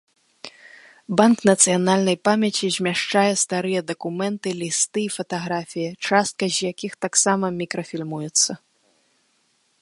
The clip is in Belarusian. Банк нацыянальнай памяці змяшчае старыя дакументы, лісты і фатаграфіі, частка з якіх таксама мікрафільмуецца.